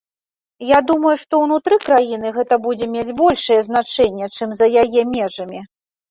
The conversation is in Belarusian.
Я думаю, што ўнутры краіны гэта будзе мець большае значэнне, чым за яе межамі.